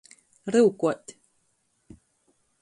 Ryukuot.